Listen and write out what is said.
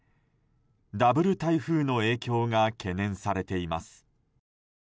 ダブル台風の影響が懸念されています。